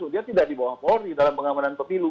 dia tidak dibawa polri dalam pengamanan pemilu